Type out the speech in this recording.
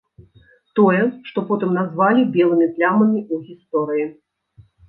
Тое, што потым назвалі белымі плямамі ў гісторыі.